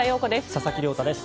佐々木亮太です。